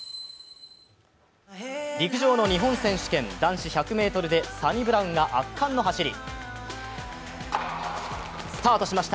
陸上の日本選手権男子１００ｍで、サニブラウンが圧巻の走り。